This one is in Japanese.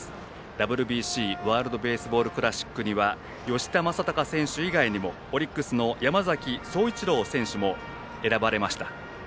ＷＢＣ＝ワールド・ベースボール・クラシックには吉田正尚選手以外にもオリックスの山崎颯一郎選手も選ばれました。